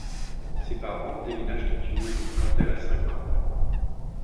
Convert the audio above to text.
Ses parents déménagent en Tunisie quand elle a cinq ans.